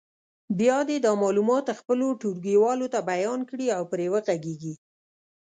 بیا دې دا معلومات خپلو ټولګیوالو ته بیان کړي او پرې وغږېږي.